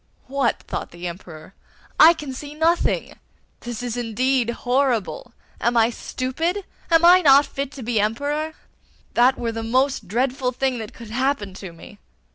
'What!' thought the Emperor, 'I can see nothing! This is indeed horrible! Am I stupid? Am I not fit to be Emperor? That were the most dreadful thing that could happen to me.